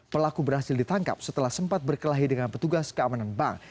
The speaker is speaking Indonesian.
pelaku berhasil ditangkap setelah sempat berkelahi dengan petugas keamanan bank